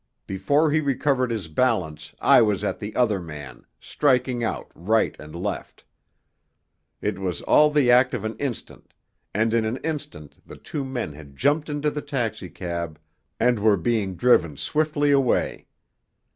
Before he recovered his balance I was at the other man, striking out right and left. It was all the act of an instant, and in an instant the two men had jumped into the taxicab and were being driven swiftly away.